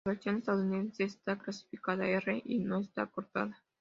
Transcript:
La versión estadounidense está clasificada R y no está cortada.